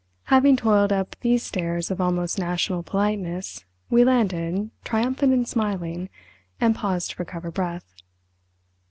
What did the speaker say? Having toiled up these stairs of almost national politeness we landed, triumphant and smiling, and paused to recover breath.